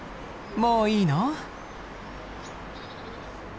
もういいの？